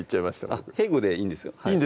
僕「へぐ」でいいんですよ